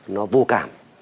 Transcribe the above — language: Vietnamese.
nó vô cảm